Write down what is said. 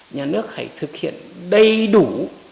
nhà nước hãy thực hiện đầy đủ